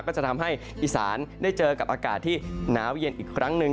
ก็จะทำให้อีสานได้เจอกับอากาศที่หนาวเย็นอีกครั้งหนึ่ง